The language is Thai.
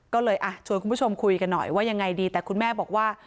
ก็เลยชวนคุณผู้ชมคุยกันหน่อยว่ายังไงดีแต่คุณแม่บอกว่า